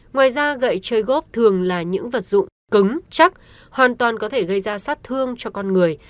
ngoài ra gậy chơi gốc thường là những vật dụng cứng chắc hoàn toàn có thể gây ra sát thương cho con người